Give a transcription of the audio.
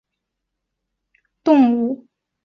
日本突腹蛛为拟态蛛科突腹蛛属的动物。